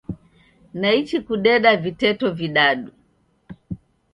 Naichi kudeda viteto vidadu.